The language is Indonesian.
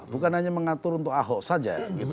bukan hanya mengatur untuk ahok saja